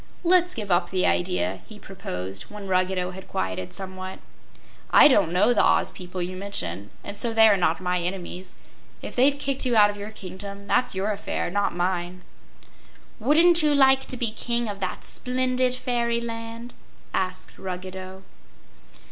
"Let's give up the idea," he proposed, when Ruggedo had quieted somewhat. "I don't know the Oz people you mention and so they are not my enemies. If they've kicked you out of your kingdom, that's your affair not mine." "Wouldn't you like to be king of that splendid fairyland?" asked Ruggedo.